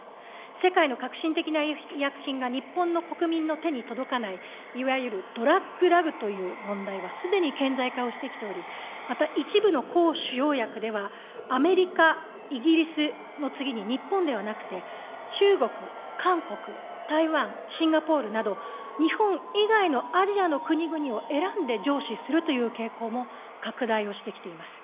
世界の革新的な医薬品が日本の国民に手に届かない、いわゆるドラッグラグという問題がすでに顕在化をしてきておりまして、また一部のこうしゅよう薬では、アメリカ、イギリスの次に日本ではなくて、中国、韓国、台湾、シンガポールなど、日本以外のアジアの国々を選んで上市するという傾向も拡大をしてきています。